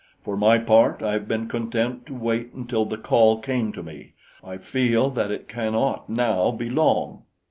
For my part, I have been content to wait until the call came to me. I feel that it cannot now be long."